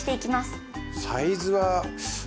サイズは。